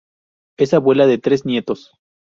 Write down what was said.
Es abuela de tres nietos.